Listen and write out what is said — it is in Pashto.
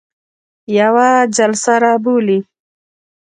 یوه جلسه را بولي.